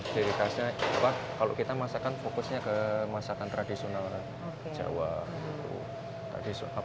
ciri khasnya kalau kita masakan fokusnya ke masakan tradisional jawa